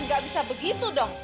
nggak bisa begitu dong